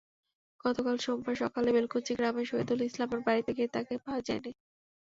গতকাল সোমবার সকালে বেলকুচি গ্রামে শহিদুল ইসলামের বাড়িতে গিয়ে তাঁকে পাওয়া যায়নি।